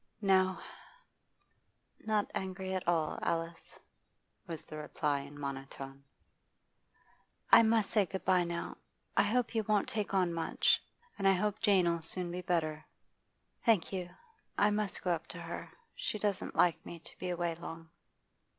'Not angry at all, Alice,' was the reply in a monotone. 'I must say good bye now. I hope you won t take on much. And I hope Jane 'll soon be better.' 'Thank you. I must go up to her; she doesn't like me to be away long.